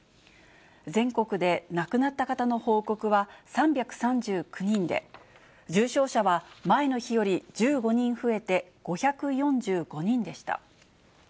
全国で亡くなった方の報告は３３９人で、重症者は前の日より１５人増えて５４５人でした。